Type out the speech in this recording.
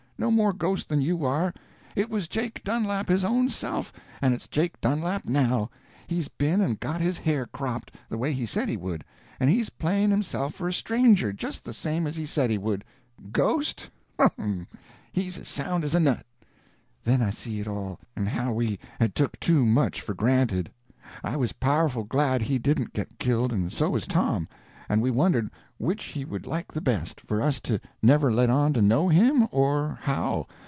No more ghost than you are. It was Jake Dunlap his own self, and it's Jake Dunlap now. He's been and got his hair cropped, the way he said he would, and he's playing himself for a stranger, just the same as he said he would. Ghost? Hum!—he's as sound as a nut." Then I see it all, and how we had took too much for granted. I was powerful glad he didn't get killed, and so was Tom, and we wondered which he would like the best—for us to never let on to know him, or how?